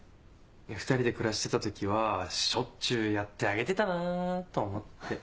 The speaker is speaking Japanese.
２人で暮らしてた時はしょっちゅうやってあげてたなと思って。